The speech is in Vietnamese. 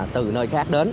từ nơi khác đến